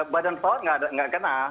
badan pesawat enggak kena